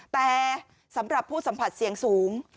แต่สำหรับผู้สัมผัสเสี่ยงสูง